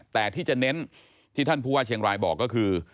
แต่ที่จะเน้นที่ท่านผู้ว่าเชียงรายบอกก็คือ